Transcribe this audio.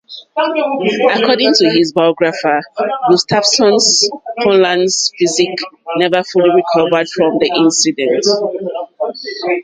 According to his biographer Gustafson, Holland's physique never fully recovered from that incident.